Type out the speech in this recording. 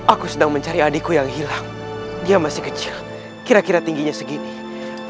aku sedang mencari adikku yang hilang dia masih kecil kira kira tingginya segini